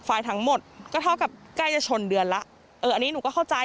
ทั้งหมดก็เท่ากับใกล้จะชนเดือนแล้วเอออันนี้หนูก็เข้าใจ